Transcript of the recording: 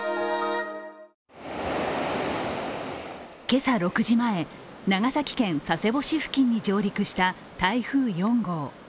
今朝６時前、長崎県佐世保市付近に上陸した台風４号。